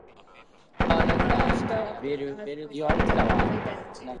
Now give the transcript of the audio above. Michael Aspel acted as presenter for the event.